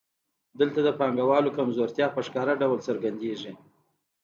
دلته د پانګوال کمزورتیا په ښکاره ډول څرګندېږي